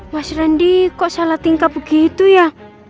mas rindy kok salah tingkap begitu ya